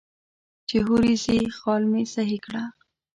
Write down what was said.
چې هورې ځې خال مې سهي کړه.